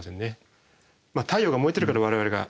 太陽が燃えてるから我々がいるから。